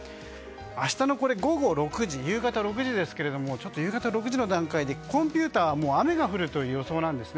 明日の夕方６時ですけども夕方６時の段階でコンピューターは雨が降るという予想なんです。